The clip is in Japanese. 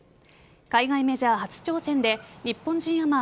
海外メジャー初挑戦で日本人アマ